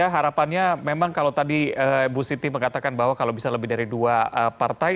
harapannya memang kalau tadi bu siti mengatakan bahwa kalau bisa lebih dari dua partai